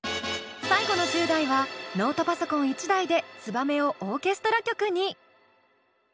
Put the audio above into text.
最後の１０代はノートパソコン１台で「ツバメ」をオーケストラ曲に！